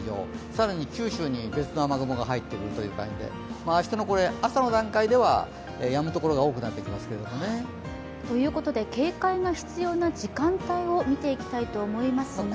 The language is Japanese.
更に、九州に別の雨雲が入っているという感じで、明日の朝の段階ではやむところが多くなってきますけれども。ということで警戒の必要な時間帯を見ていきたいと思いますが。